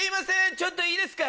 ちょっといいですか！